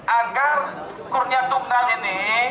angka kurnya tukar ini